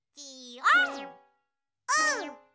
オン！